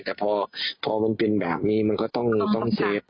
แต่พอมันเป็นแบบนี้มันก็ต้องเซฟ